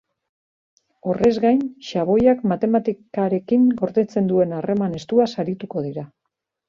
Horrez gain, xaboiak matematikarekin gordetzen duen harreman estuaz arituko dira.